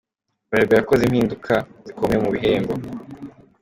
Bralirwa yakoze impinduka zikomeye mu bihembo.